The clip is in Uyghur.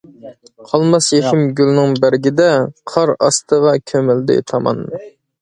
قالماس يېشىم گۈلنىڭ بەرگىدە، قار ئاستىغا كۆمۈلدى تامان.